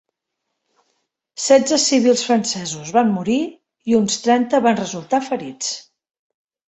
Setze civils francesos van morir i uns trenta van resultar ferits.